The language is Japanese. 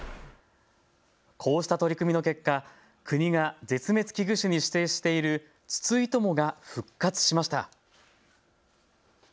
こうした取り組みの結果、国が絶滅危惧種に指定しているツツイトモが復活しました。